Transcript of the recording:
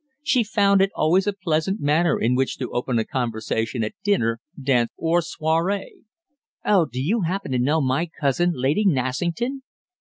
She found it always a pleasant manner in which to open a conversation at dinner, dance, or soirée: "Oh! do you happen to know my cousin, Lady Nassington?"